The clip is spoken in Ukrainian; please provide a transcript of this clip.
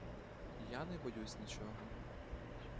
Я не боюсь нічого.